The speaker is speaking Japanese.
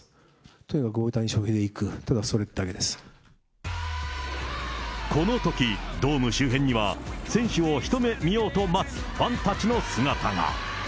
とにかく大谷翔平でいく、このとき、ドーム周辺には、選手を一目見ようと待つファンたちの姿が。